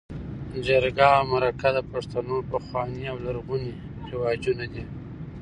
جرګه او مرکه د پښتنو پخواني او لرغوني رواجونه دي.